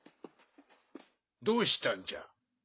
どうしたんじゃ？